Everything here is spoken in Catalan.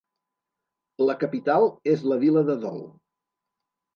La capital és la vila de Dol.